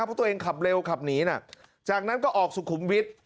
เพราะตัวเองขับเร็วขับหนีน่ะจากนั้นก็ออกสุขุมวิทย์